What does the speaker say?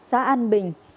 xá an bình